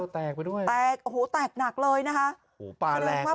แตกหนักเลยนะโหแตกหนักเลยนะคะ